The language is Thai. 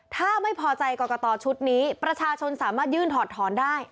ถ้าไม่พอใจกรกตชุดนี้ประชาชนสามารถยื่นถอดถอนได้